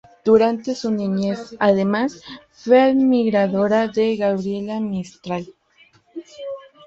Durante su niñez, además, fue admiradora de Gabriela Mistral.